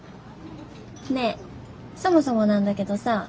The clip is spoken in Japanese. ねえそもそもなんだけどさ。